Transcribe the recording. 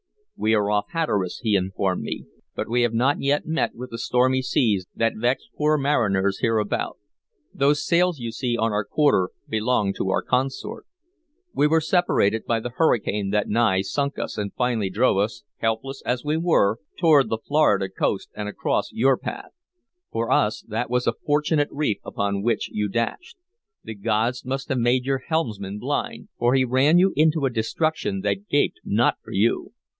"We are off Hatteras," he informed me, "but we have not met with the stormy seas that vex poor mariners hereabouts. Those sails you see on our quarter belong to our consort. We were separated by the hurricane that nigh sunk us, and finally drove us, helpless as we were, toward the Florida coast and across your path. For us that was a fortunate reef upon which you dashed. The gods must have made your helmsman blind, for he ran you into a destruction that gaped not for you.